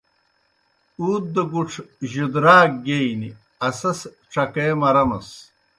اُوت دہ گُڇھ جُدراک گیئینیْ اسَس ڇکے مرَمَس۔